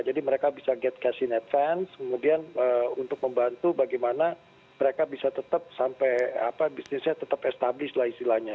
jadi mereka bisa get cash in advance kemudian untuk membantu bagaimana mereka bisa tetap bisnisnya tetap established lah istilahnya